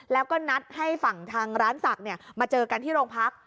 แล้วก็นัดให้ฝั่งทางร้านศักดิ์มาเจอกันที่โรงพัก